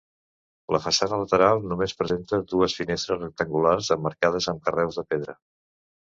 La façana lateral només presenta dues finestres rectangulars, emmarcades amb carreus de pedra.